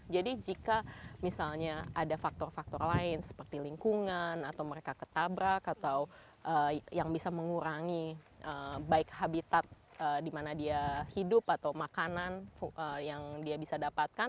jadi jika misalnya ada faktor faktor lain seperti lingkungan atau mereka ketabrak atau yang bisa mengurangi baik habitat di mana dia hidup atau makanan yang dia bisa dapatkan